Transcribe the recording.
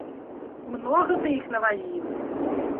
Многа ты іх навазіў?!